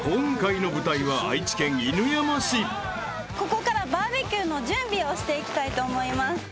ここからバーベキューの準備をしていきたいと思います。